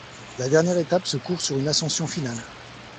La dernière étape se court sur une ascension finale.